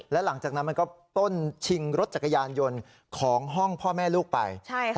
และหลังจากนั้นมันก็ต้นชิงรถจักรยานยนต์ของห้องพ่อแม่ลูกไป